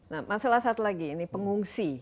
nah masalah satu lagi ini pengungsi